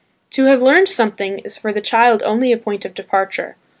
To have learned something is for the child only a point of departure.